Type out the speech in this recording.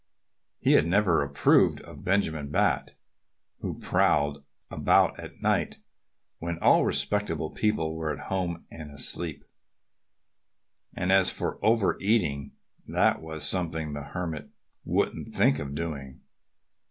He had never approved of Benjamin Bat, who prowled about at night when all respectable people were at home and asleep. And as for over eating, that was something the Hermit wouldn't think of doing.